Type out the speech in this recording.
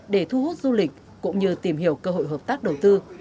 để thu hút du lịch cũng như tìm hiểu cơ hội hợp tác đầu tư